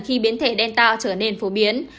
khi biến thể đen tạo trở nên phổ biến